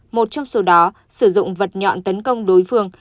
một trong số đó sử dụng vật nhọn tấn công đối phương